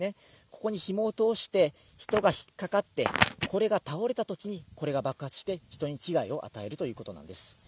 ここにひもを通して人が引っ掛かってこれが倒れたとき、これが爆発して人に危害を与えるというわけなんです。